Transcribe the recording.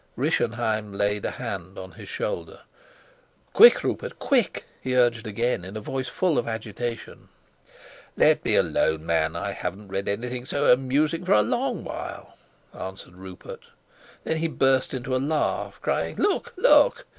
Rischenheim laid a hand on his shoulder. "Quick, Rupert, quick," he urged again, in a voice full of agitation. "Let me alone, man. I haven't read anything so amusing for a long while," answered Rupert. Then he burst into a laugh, crying, "Look, look!"